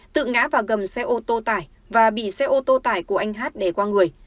tự ngã vào gầm xe ô tô tải và bị xe ô tô tải của anh hát đè qua người